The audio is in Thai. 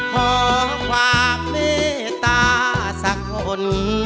ขอความเมตตาสักคน